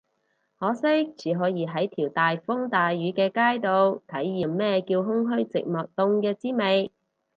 可惜只可以喺條大風大雨嘅街度體驗咩叫空虛寂寞凍嘅滋味